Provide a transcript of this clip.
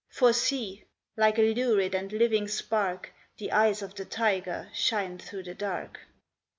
For see! like a lurid and living spark The eyes of the tiger shine through the dark.'